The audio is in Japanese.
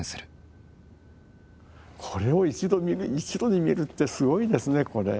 これを一度に見るってすごいですねこれ。